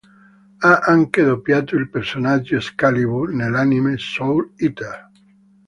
Ha anche doppiato il personaggio Excalibur nell'anime "Soul Eater".